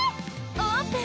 オープン！